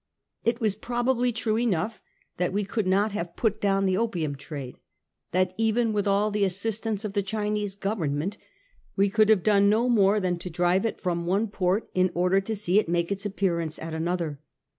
It was probably true enough that we could not have put down the opium trade ; that even with all the assistance of the Chinese Government we could have done no more than to drive it from one port in order to see it make its aippearance at another.